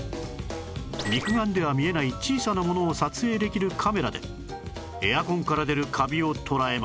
肉眼では見えない小さなものを撮影できるカメラでエアコンから出るカビを捉えます